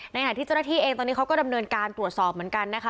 ขณะที่เจ้าหน้าที่เองตอนนี้เขาก็ดำเนินการตรวจสอบเหมือนกันนะคะ